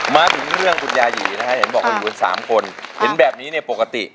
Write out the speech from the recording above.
มาถึงเรื่องคุณยายีนะฮะเห็นบอกว่าอยู่กันสามคนเห็นแบบนี้เนี่ยปกติ